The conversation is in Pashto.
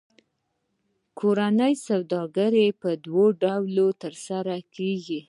کورنۍ سوداګري په دوه ډوله ترسره کېږي